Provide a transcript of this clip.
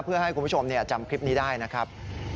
เพื่อให้คุณผู้ชมจำคลิปนี้ได้นะครับ